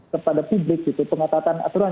kepada publik pengatatan aturan